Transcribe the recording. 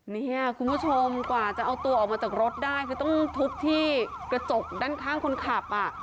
เนี่ยคุณผู้ชมกว่าจะเอาตัวออกมาจากรถได้คือต้องทุบที่กระจกด้านข้างคนขับอ่ะ